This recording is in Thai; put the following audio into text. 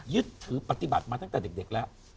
ยึดถือปฏิบัติมาตั้งแต่เด็กแล้ว